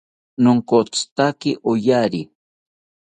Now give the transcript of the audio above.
Nonkotzitatzi oyari